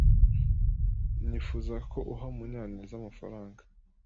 inifuzaga ko uha Munyanezamafaranga.